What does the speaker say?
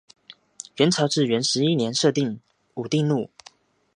元朝至元十一年设置武定路。